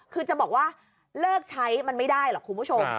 คือจะบอกว่าเลิกใช้มันไม่ได้หรอกคุณผู้ชม